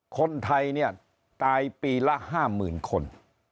คนไทยเนี่ยตายปีละห้ามื่นคน